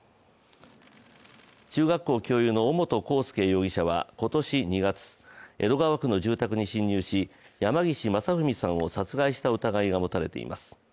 中学校教諭の尾本幸祐容疑者は今年２月、江戸川区の住宅に侵入し山岸正文さんを殺害した疑いが持たれています。